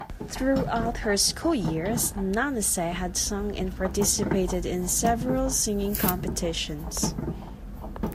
Throughout her school years, Nanase had sung and participated in a several singing competitions.